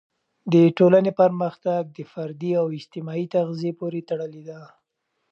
د ټولنې پرمختګ د فردي او اجتماعي تغذیې پورې تړلی دی.